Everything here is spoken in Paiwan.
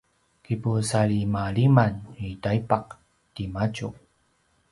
kipusalimaliman i taipaq timadju